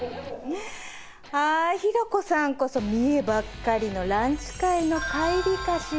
あひろ子さんこそ見えばっかりのランチ会の帰りかしら？